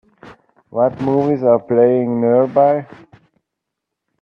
what movies are playing nearby